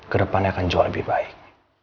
kedepannya akan jauh lebih baik